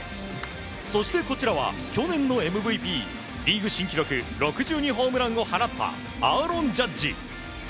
そして、こちらは去年のＭＶＰ、リーグ新記録６２ホームランを放ったアーロン・ジャッジ。